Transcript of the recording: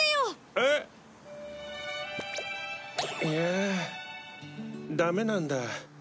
いやあダメなんだ。